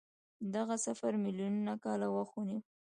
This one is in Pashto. دغه سفر میلیونونه کاله وخت ونیو.